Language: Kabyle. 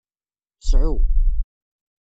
Sɛu.